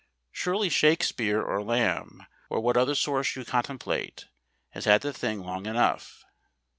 Surely Shakespeare or Lamb, or what other source you contemplate, has had the thing long enough?